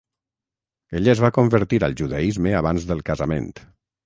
Ella es va convertir al judaisme abans del casament.